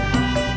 ya pat teman gue